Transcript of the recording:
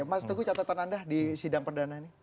mas teguh catatan anda di sidang perdana ini